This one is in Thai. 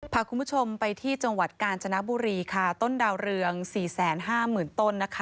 พาคุณผู้ชมไปที่จังหวัดกาญจนบุรีค่ะต้นดาวเรือง๔๕๐๐๐ต้นนะคะ